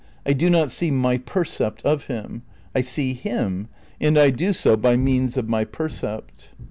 I do not see my percept of him; I see him, and I do so by means of my percept."